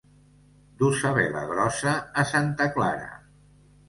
Dur sa vela grossa a santa Clara.